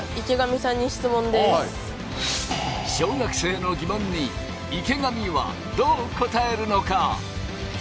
小学生の疑問に池上はどう答えるのか。